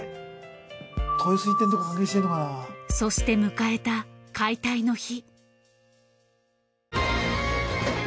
そして迎えた解体の日。